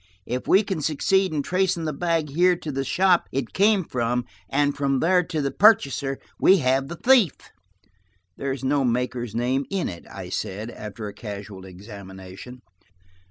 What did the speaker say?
If we can succeed in tracing the bag here to the shop it came from, and from there to the purchaser, we have the thief." "There's no makers's name in it," I said, after a casual examination.